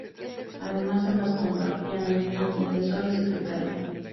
Además ambas compartían el mismo confesor y secretario.